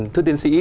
thưa tiến sĩ